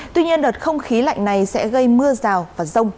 tuy nhiên đợt không khí lạnh này sẽ gây mưa rào và rông